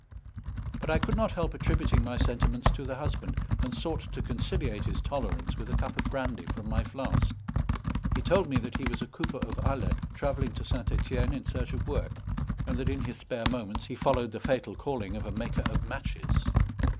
But I could not help attributing my sentiments to the husband, and sought to conciliate his tolerance with a cup of brandy from my flask. He told me that he was a cooper of Alais travelling to St. Etienne in search of work, and that in his spare moments he followed the fatal calling of a maker of matches.